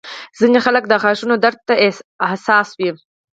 ځینې خلک د غاښونو درد ته حساس وي.